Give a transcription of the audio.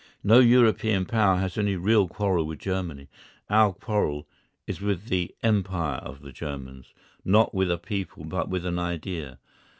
No European Power has any real quarrel with Germany. Our quarrel is with the Empire of the Germans, not with a people but with an idea.